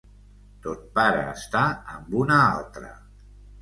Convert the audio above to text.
Ton pare està amb una altra.